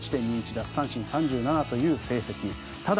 奪三振３７という成績。